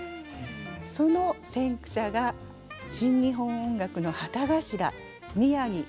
その先駆者が新日本音楽の旗頭宮城道雄です。